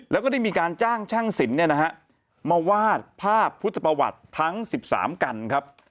แล้วก็ได้มีการจ้างช่างศิลป์มาวาดภาพพุทธประวัติทั้ง๑๓กันครับ